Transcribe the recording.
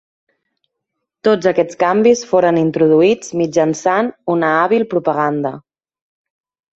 Tots aquests canvis foren introduïts mitjançant una hàbil propaganda.